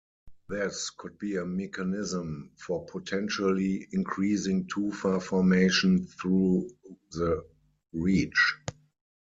This could be a mechanism for potentially increasing tufa formation through the reach.